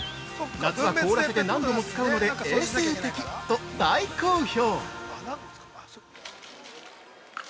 「夏は凍らせて何度も使うので衛生的！」と大好評